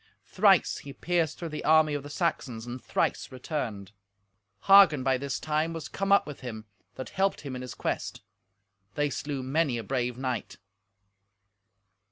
Thrice he pierced through the army of the Saxons, and thrice returned. Hagen, by this time, was come up with him, that helped him in his quest. They slew many a brave knight.